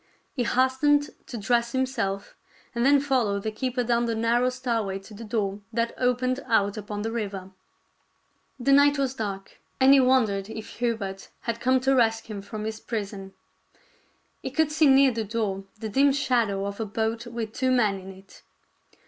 He hastened to dress himself, and then followed the keeper down the narrow stairway to the door that opened out upon the river. The night was dark ; and he won dered if Hubert had come to rescue him from his prison. He could see near the door the dim shadow of a boat with two men in it.